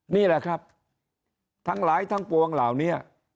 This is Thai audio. นี่แหละครับทั้งหลายทั้งปวงเหล่านี้